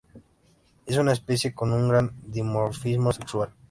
Es una especie con un gran dimorfismo sexual.